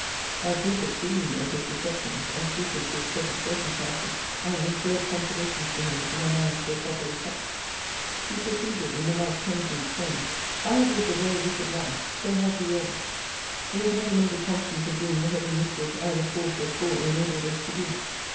I approved exceedingly of his reflections, as suited to his present circumstances; and inferred consolations to him from a mind so properly touched. He proceeded in the like penitent strain. I have lived a very wicked life; so have we all. We have never made a conscience of doing whatever mischief either force or fraud enabled us to do.